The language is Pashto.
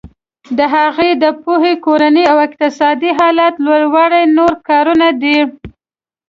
د هغوی د پوهې کورني او اقتصادي حالت لوړول نور کارونه دي.